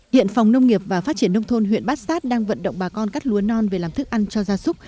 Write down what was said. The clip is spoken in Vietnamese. hiện phòng nông nghiệp và phát triển nông thôn huyện bát sát đang vận động bà con cắt lúa non về làm thức ăn cho gia súc